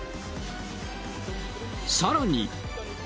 さらに。